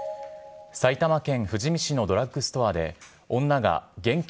埼玉県富士見市のドラッグストアで、女が現金